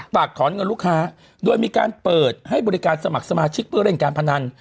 ฝากถอนเงินลูกค้าโดยมีการเปิดให้บริการสมัครสมาชิกเพื่อเล่นการพนัน